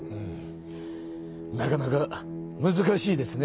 なかなかむずかしいですね。